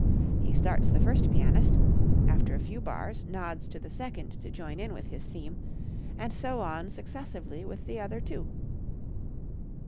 He starts the first pianist, after a few bars nods to the second to join in with his theme, and so on successively with the other two.